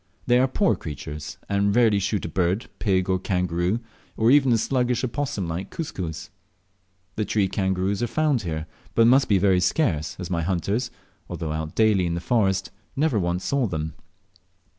They are poor creatures, and, rarely shoot a bird, pig, or kangaroo, or even the sluggish opossum like Cuscus. The tree kangaroos are found here, but must be very scarce, as my hunters, although out daily in the forest, never once saw them.